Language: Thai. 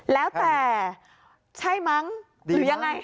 แล้วแต่ใช่มั้งหรือยังไง